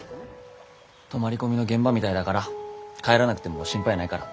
泊まり込みの現場みたいだから帰らなくても心配ないから。